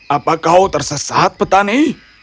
apa kau tersesat petani